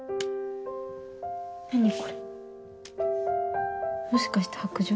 何これもしかして白杖？